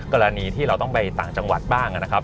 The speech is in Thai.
กรณีที่เราต้องไปต่างจังหวัดบ้างนะครับ